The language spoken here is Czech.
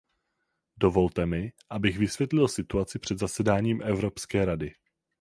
Dovolte mi, abych vysvětlil situaci před zasedáním Evropské rady.